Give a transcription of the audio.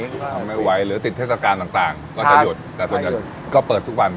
ทำไม่ไหวหรือติดเทศกาลต่างก็จะหยุดแต่ส่วนใหญ่ก็เปิดทุกวัน